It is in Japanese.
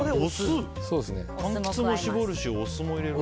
かんきつも搾るしお酢も入れるんだ。